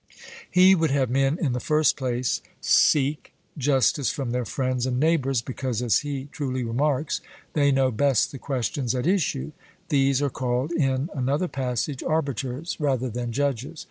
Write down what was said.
He would have men in the first place seek justice from their friends and neighbours, because, as he truly remarks, they know best the questions at issue; these are called in another passage arbiters rather than judges.